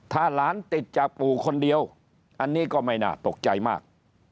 ถ้าหลานติดจากปู่คนเดียวอันนี้ก็ไม่น่าตกใจมาก